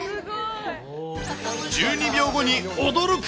１２秒後に驚く！